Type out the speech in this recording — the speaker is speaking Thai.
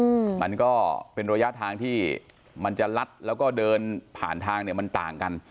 อืมมันก็เป็นระยะทางที่มันจะลัดแล้วก็เดินผ่านทางเนี้ยมันต่างกัน